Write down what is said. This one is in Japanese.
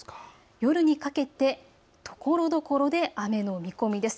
夜にかけてところどころで雨の見込みです。